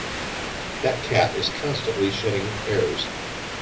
That cat is constantly shedding hairs.